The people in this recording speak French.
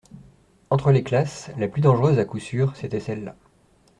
Entre les classes, la plus dangereuse, à coup sûr, c'était celle-là.